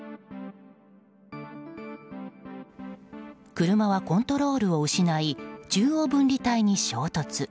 車はコントロールを失い中央分離帯に衝突。